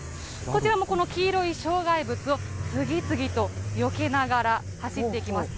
こちらもこの黄色い障害物を次々とよけながら走っていきます。